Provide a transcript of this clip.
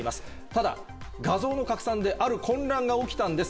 ただ画像の拡散である混乱が起きたんです。